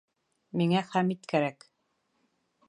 Миңә Хәмит кәрәк.